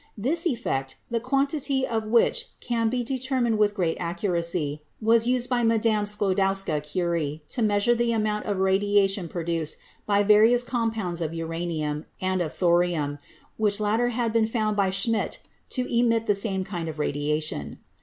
This effect, the quantity of which can be determined with great accuracy, was used by Mme. Sklodowska Curie to measure the amount of radiation produced by various compounds of uranium and of tho rium, which latter had been found by Schmidt to emit the same kind of radiation.